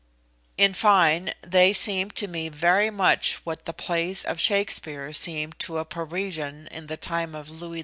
In fine, they seemed to me very much what the plays of Shakespeare seemed to a Parisian in the time of Louis XV.